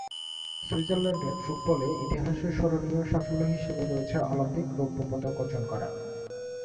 সুইজারল্যান্ডের ফুটবলে ইতিহাসে স্মরণীয় সাফল্য হিসেবে রয়েছে অলিম্পিকে রৌপ্যপদক অর্জন করা।